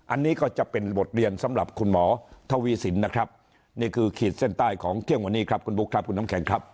อันนี้ก็จะเป็นบทเรียนสำหรับคุณหมอทวีสินนะครับนี่คือขีดเส้นใต้ของเที่ยงวันนี้ครับคุณบุ๊คครับคุณน้ำแข็งครับ